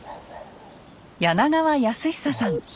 柳川泰久さん。